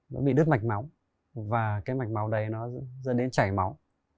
nó bị đứt mạch máu và cái mạch máu đấy nó dẫn đến chảy máu